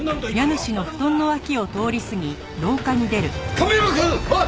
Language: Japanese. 亀山くん！おい！